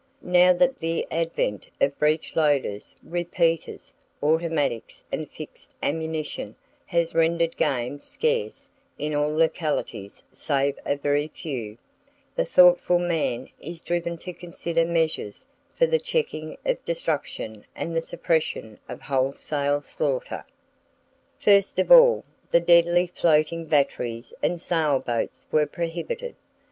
Now that the advent of breech loaders, repeaters, automatics and fixed ammunition has rendered game scarce in all localities save a very few, the thoughtful man is driven to consider measures for the checking of destruction and the suppression of wholesale slaughter. First of all, the deadly floating batteries and sail boats were prohibited.